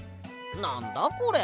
なんだこれ。